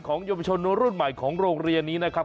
ของหยุดผู้ชมรุ่นใหม่ของโรงเรียนนี้นะครับ